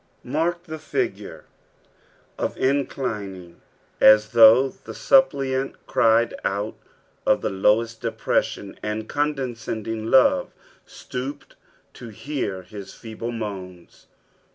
Hark the figure of inclining, as though the suppliant cried out of the lowest depresdon, and condescending love stooped to hoar his feeble moans.